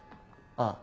ああ。